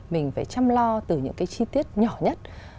mình phải chăm lo từ những cái chi tiết nhỏ nhất